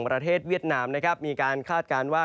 ประเทศเวียดนามนะครับมีการคาดการณ์ว่า